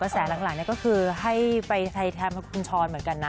แสหลังก็คือให้ไปไทยแทนคุณช้อนเหมือนกันนะ